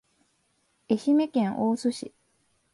愛媛県大洲市